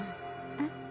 えっ？